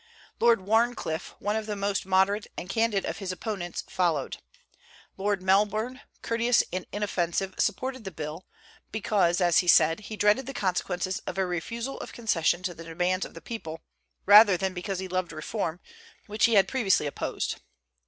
Lord Wharncliffe, one of the most moderate and candid of his opponents, followed. Lord Melbourne, courteous and inoffensive, supported the bill, because, as he said, he dreaded the consequences of a refusal of concession to the demands of the people, rather than because he loved reform, which he had previously opposed.